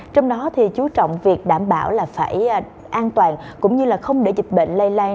trong đó chú trọng việc đảm bảo phải an toàn cũng như không để dịch bệnh lây lan